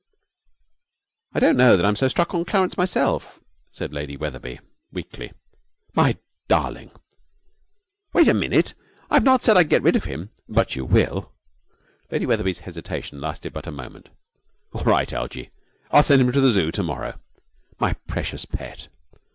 'I don't know that I'm so stuck on Clarence myself,' said Lady Wetherby, weakly. 'My darling!' 'Wait a minute. I've not said I would get rid of him.' 'But you will?' Lady Wetherby's hesitation lasted but a moment. 'All right, Algie. I'll send him to the Zoo to morrow.' 'My precious pet!'